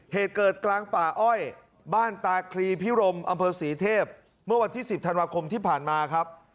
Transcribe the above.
เหตุเกิดกลางป่าอ้อยบ้านตาคลีพิรมอำเภอศรีเทพเมื่อวันที่๑๐ธันวาคมที่ผ่านมาครับ